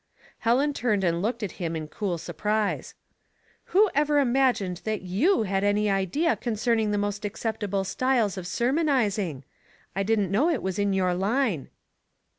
Helen turned and looked at him in cool sur prise. " Who ever imagined that you had any idea concerning the most acceptable styles of ser monizing? I didn't know it was in your line."